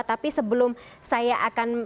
tapi sebelum saya akan